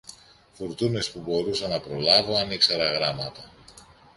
φουρτούνες που μπορούσα να προλάβω αν ήξερα γράμματα!